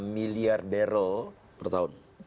miliar barrel per tahun